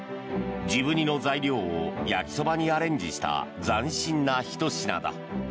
治部煮の材料を焼きそばにアレンジした斬新なひと品だ。